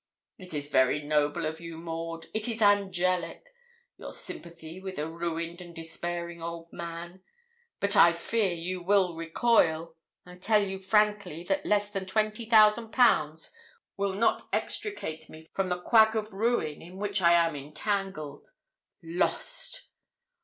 'It is very noble of you, Maud it is angelic; your sympathy with a ruined and despairing old man. But I fear you will recoil. I tell you frankly that less than twenty thousand pounds will not extricate me from the quag of ruin in which I am entangled lost!'